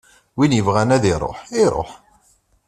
Win yebɣan ad iṛuḥ, iṛuḥ.